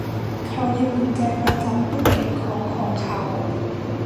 เขาหยิบกุญแจมาจากตู้เก็บของของเขา